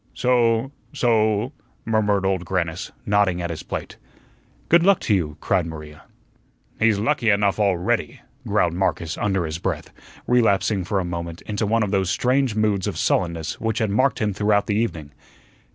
"So So," murmured Old Grannis, nodding at his plate. "Good luck to you," cried Maria. "He's lucky enough already," growled Marcus under his breath, relapsing for a moment into one of those strange moods of sullenness which had marked him throughout the evening.